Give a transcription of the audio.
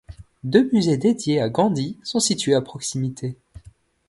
Deux musées dédié à Gandhi sont situés à proximité.